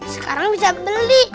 sekarang bisa beli